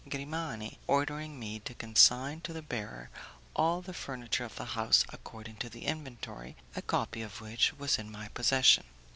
Grimani, ordering me to consign to the bearer all the furniture of the house according to the inventory, a copy of which was in my possession.